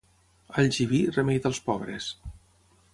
Alls i vi, remei dels pobres.